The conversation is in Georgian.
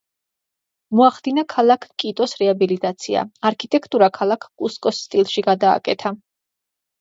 მოახდინა ქალაქ კიტოს რეაბილიტაცია, არქიტექტურა ქალაქ კუსკოს სტილში გადააკეთა.